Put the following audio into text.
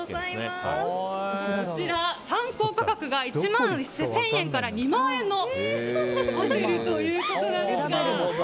こちら、参考価格が１万１０００円から２万円のホテルということですが。